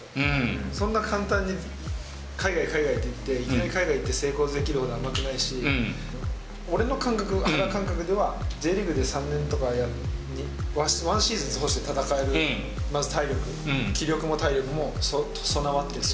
そんな簡単に海外、海外っていって、いきなり海外行って成功できるほど甘くないし、俺の感覚、肌感覚では、Ｊリーグで３年とか、１シーズン通して戦えるまず体力、気力も体力も備わって。